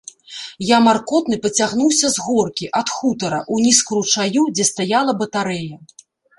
Я маркотны пацягнуўся з горкі, ад хутара, уніз к ручаю, дзе стаяла батарэя.